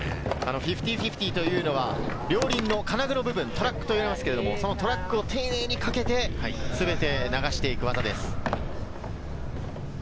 ５０−５０というのは両輪の金具の部分、トラックといいますが、そのトラックを丁寧にかけて、つめて流していく技です。